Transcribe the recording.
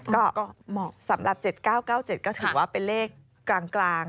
ก็เหมาะสำหรับ๗๙๙๗ก็ถือว่าเป็นเลขกลาง